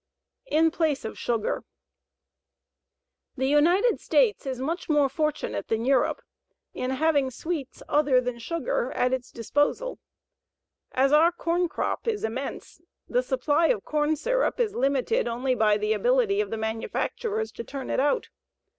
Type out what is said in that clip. IN PLACE OF SUGAR The United States is much more fortunate than Europe in having sweets other than sugar at its disposal. As our corn crop is immense, the supply of corn syrup is limited only by the ability of the manufacturers to turn it out.